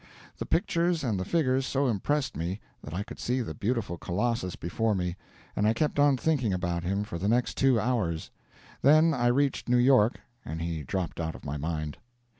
The pictures and the figures so impressed me, that I could see the beautiful colossus before me, and I kept on thinking about him for the next two hours; then I reached New York, and he dropped out of my mind.